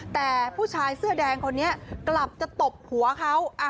แต่ผู้ชายเสื้อแดงคนนี้กลับจะตบหัวเขา